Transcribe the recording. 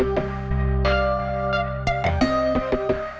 ya baik bu